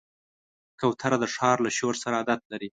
کوتره د ښار له شور سره عادت لري.